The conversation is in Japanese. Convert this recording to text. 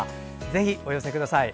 ぜひお寄せください。